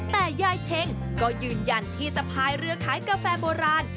แต่ยายเช็งก็ยืนยันที่จะพายเรือขายกาแฟโบราณ